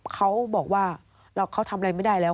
เขาบอกว่าเขาทำอะไรไม่ได้แล้ว